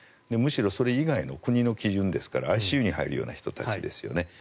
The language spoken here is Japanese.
むしろそれ以外の国の基準ですからＩＣＵに入るような人たちですよね。